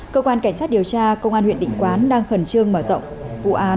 cơ quan cảnh sát điều tra công an huyện định quán đang khẩn trương mở rộng vụ án